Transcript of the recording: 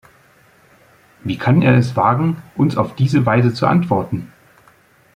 Wie kann er es wagen, uns auf diese Weise zu antworten?